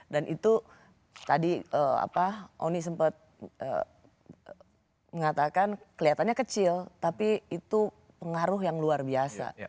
dan itu tadi oni sempat mengatakan kelihatannya kecil tapi itu pengaruh yang luar biasa